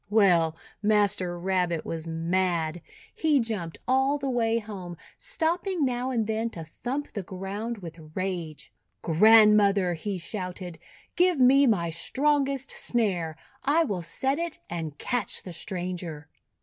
Well, Master Rabbit was mad! He jumped RABBITS WITH YELLOW HAIRS 189 all the way home, stopping now and then to thump the ground with rage. 14 Grandmother," he shouted, "give me my strongest snare. I will set it and catch the stranger."